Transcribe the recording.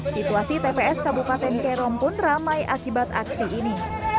situasi tps kabupaten kerom pun ramai akibat aksi ini